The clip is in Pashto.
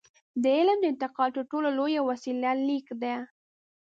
د علم د انتقال تر ټولو لویه وسیله لیک ده.